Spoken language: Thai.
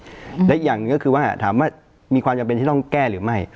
อืมและอีกอย่างหนึ่งก็คือว่าถามว่ามีความจำเป็นที่ต้องแก้หรือไม่